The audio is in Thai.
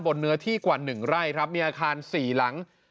เนื้อที่กว่า๑ไร่ครับมีอาคาร๔หลัง